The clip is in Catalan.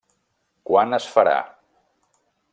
Quan es farà.